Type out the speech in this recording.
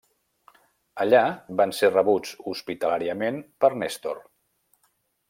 Allà van ser rebuts hospitalàriament per Nèstor.